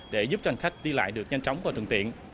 để giúp cho hành khách đi lại được nhanh chóng và thường tiện